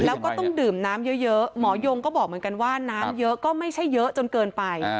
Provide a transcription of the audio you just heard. แล้วก็ต้องดื่มน้ำเยอะหมอยงก็บอกเหมือนกันว่าน้ำเยอะก็ไม่ใช่เยอะจนเกินไป